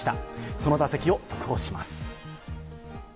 その打席を速報します。